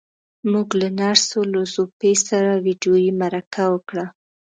موږ له نرس لو ځو پي سره ويډيويي مرکه وکړه.